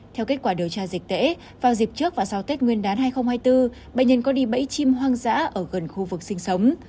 theo kết quả điều tra dịch tễ vào dịp trước và sau tết nguyên đán hai nghìn hai mươi bốn bệnh nhân có đi bẫy chim hoang dã ở gần khu vực sinh sống